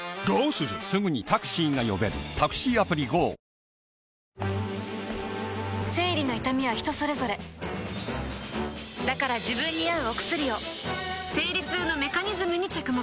うちのごはんキッコーマン生理の痛みは人それぞれだから自分に合うお薬を生理痛のメカニズムに着目